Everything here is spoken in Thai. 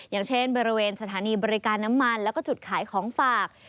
อย่างเช่นบริเวณสถานีบริการน้ำมันแล้วก็จุดขายของฝาก